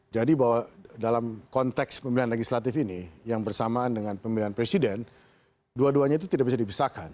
jadi bahwa dalam konteks pemilihan legislatif ini yang bersamaan dengan pemilihan presiden dua duanya itu tidak bisa dibisarkan